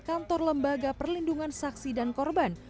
kantor lembaga perlindungan saksi dan korban